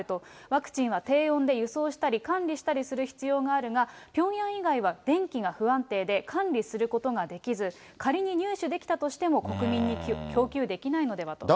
ワクチンは低温で輸送したり管理したりする必要があるが、ピョンヤン以外は電気が不安定で、管理することができず、仮に入手できたとしても、国民に供給できないのではと。